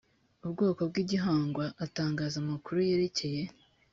ubwoko bw igihingwa atangaza amakuru yerekeye